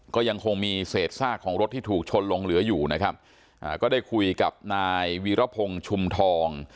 ก็ยังคงมีเศษซากของรถที่ถูกชนลงเหลืออยู่นะครับอ่าก็ได้คุยกับนายวีรพงศ์ชุมทอง